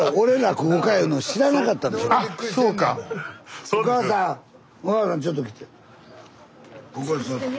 ここへ座って。